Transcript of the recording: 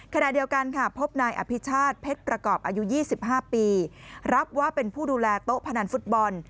ขณะเดียวกันค่ะพบนายอภิชาติเพชรประกอบอายุ๒๕ปีรับว่าเป็นผู้ดูแลโต๊ะพนันฟุตบอล